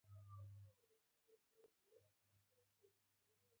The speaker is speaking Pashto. یوه ګېډۍ د پمبې پټی یې راواخیست.